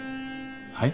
はい？